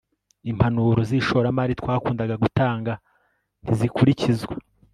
impanuro zishoramari twakundaga gutanga ntizikurikizwa